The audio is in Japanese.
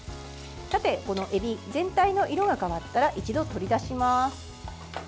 さて、このエビ全体の色が変わったら一度、取り出します。